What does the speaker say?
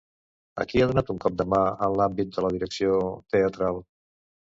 A qui ha donat un cop de mà en l'àmbit de la direcció teatral?